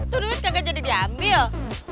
duitnya gak jadi diambil